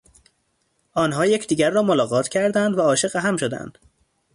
آنها یکدیگر را ملاقات کردند و عاشق هم شدند.